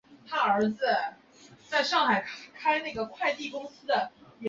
觉罗长麟乙未科进士。